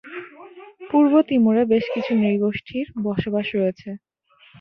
পূর্ব তিমুরে বেশ কিছু নৃগোষ্ঠীর বসবাস রয়েছে।